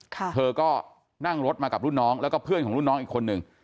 เธอก็นั่งรถมากับรุ่นน้องแล้วก็เพื่อนของรุ่นน้องอีกคนหนึ่ง